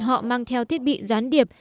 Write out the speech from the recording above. họ mang theo thiết bị gián điệp